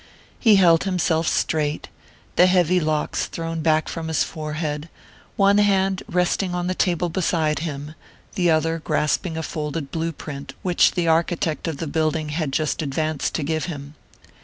He held himself straight, the heavy locks thrown back from his forehead, one hand resting on the table beside him, the other grasping a folded blue print which the architect of the building had just advanced to give him.